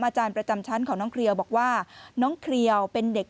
อาจารย์ประจำชั้นของน้องเครียวบอกว่าน้องเครียวเป็นเด็ก